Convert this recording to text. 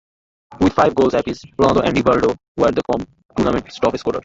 With five goals apiece, Ronaldo and Rivaldo were the tournament's top scorers.